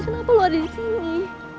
kenapa lo ada disini